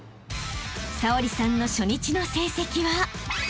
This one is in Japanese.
［早織さんの初日の成績は］